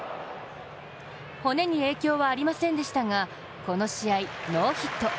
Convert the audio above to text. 骨に影響はありませんでしたが、この試合、ノーヒット。